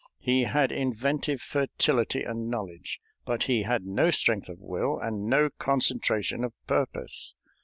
He had inventive fertility and knowledge, but he had no strength of will and no concentration of purpose.